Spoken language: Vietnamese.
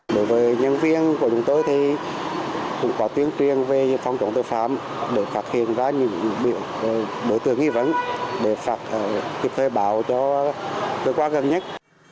đối với nhân viên của chúng tôi thì cũng có tuyên truyền về phòng trọng tội phạm để phạt hiện ra những đối tượng nghi vấn để phạt kiếp thuê bảo cho cơ quan gần nhất